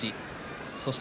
そして、